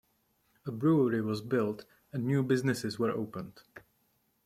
A brewery was built and new businesses were opened.